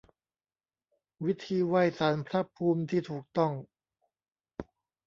วิธีไหว้ศาลพระภูมิที่ถูกต้อง